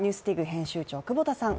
編集長、久保田さん